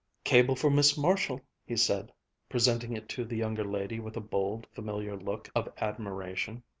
"Cable for Miss Marshall," he said, presenting it to the younger lady with a bold, familiar look of admiration.